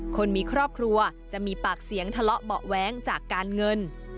คนมีครอบครัวจะมีปากเสียงทะเลาะเบาะแว้งจากการเงิน